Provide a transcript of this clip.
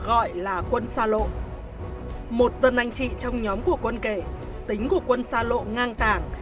gọi là quân sa lộ một dân anh chị trong nhóm của quân kể tính của quân sa lộ ngang tảng